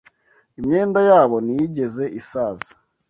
imyenda yabo ntiyigeze isaza